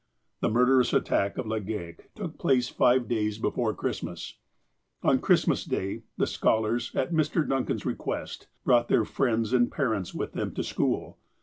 The murderous attack of Legale took place five days before Christmas. On Christmas Day, the scholars, at Mr. Duncan's re quest, brought their friends and parents with them to school.